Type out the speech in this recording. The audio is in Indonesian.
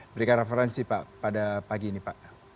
berikan referensi pak pada pagi ini pak